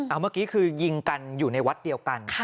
เอาเมื่อกี้คือยิงกันอยู่ในวัดเดียวกัน